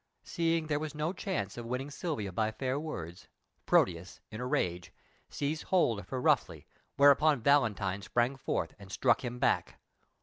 Seeing there was no chance of winning Silvia by fair words, Proteus, in a rage, seized hold of her roughly, whereupon Valentine sprang forth and struck him back.